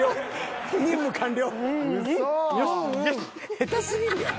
下手すぎるやろ。